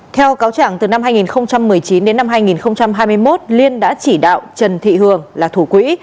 theo cáo trạng từ năm hai nghìn một mươi chín đến năm hai nghìn hai mươi một liên đã chỉ đạo trần thị hường là thủ quỹ